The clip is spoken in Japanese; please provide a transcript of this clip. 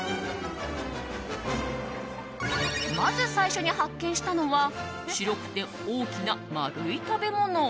まず最初に発見したのは白くて大きな丸い食べ物。